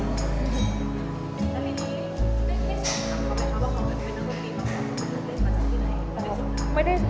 ก็ไม่ได้ศอบถาม